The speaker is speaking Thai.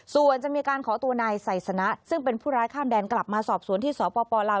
ส่วนจะมีการขอตัวนายไซสนะซึ่งเป็นผู้ร้ายข้ามแดนกลับมาสอบสวนที่สปลาว